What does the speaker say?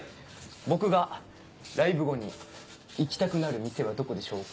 僕がライブ後に行きたくなる店はどこでしょうか？